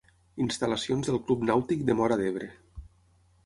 Instal·lacions del Club Nàutic de Móra d'Ebre.